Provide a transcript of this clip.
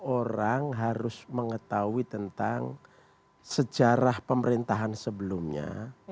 orang harus mengetahui tentang sejarah pemerintahan sebelumnya